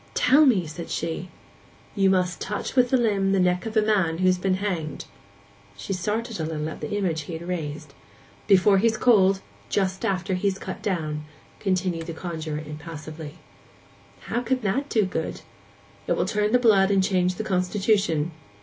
'Tell me!' said she. 'You must touch with the limb the neck of a man who's been hanged.' She started a little at the image he had raised. 'Before he's cold—just after he's cut down,' continued the conjuror impassively. 'How can that do good?' 'It will turn the blood and change the constitution.